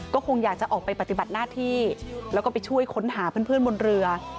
ก็คงอยากจะออกไปปฏิบัติหน้าที่แล้วก็ไปช่วยค้นหาเพื่อนบนเรือ